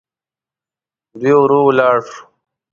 دی ورو ولاړ شو.